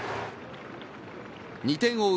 ２点を追う